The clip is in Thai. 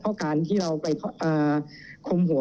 เพราะการที่เราไปคมหัว